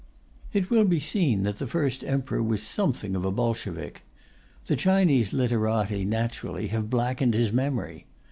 It will be seen that the First Emperor was something of a Bolshevik. The Chinese literati, naturally, have blackened his memory.